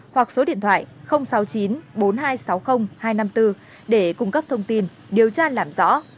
hoặc số điện thoại sáu mươi chín bốn nghìn hai trăm sáu mươi hai trăm năm mươi bốn để cung cấp thông tin điều tra làm rõ